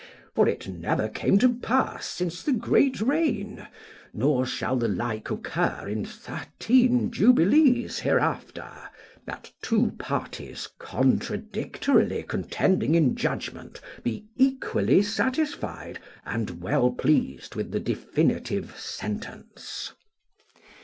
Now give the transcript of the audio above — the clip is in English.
For it never came to pass since the great rain, nor shall the like occur in thirteen jubilees hereafter, that two parties contradictorily contending in judgment be equally satisfied and well pleased with the definitive sentence.